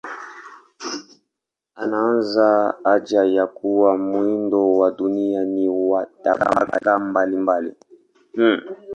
Inaanza na hoja ya kuwa muundo wa dunia ni wa tabaka mbalimbali.